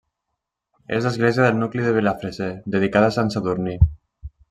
És l'església del nucli de Vilafreser dedicada a Sant Sadurní.